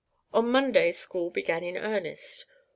On Monday school began in earnest.